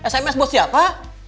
sms buat siapa